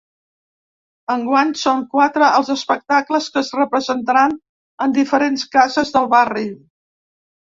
Enguany són quatre els espectacles que es representaran en diferents cases del barri.